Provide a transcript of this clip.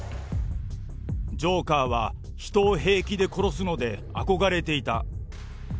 ジョーカーは人を平気で殺すので憧れていた。